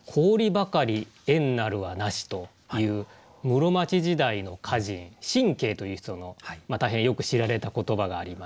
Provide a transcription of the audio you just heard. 室町時代の歌人心敬という人の大変よく知られた言葉がありまして。